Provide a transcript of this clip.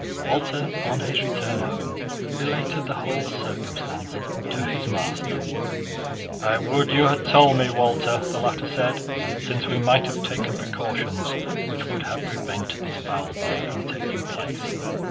Walter on his return home related the whole circumstance to his master. "I would you had told me, Walter," the latter said, "since we might have taken precautions which would have prevented this foul deed from taking place.